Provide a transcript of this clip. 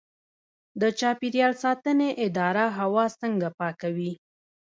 د چاپیریال ساتنې اداره هوا څنګه پاکوي؟